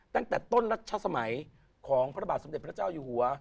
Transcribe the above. ตั้งแต่ต้นรัชสมัยของพระบาทสมเด็จพระเจ้าอยู่หัว